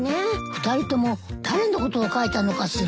２人とも誰のことを書いたのかしら。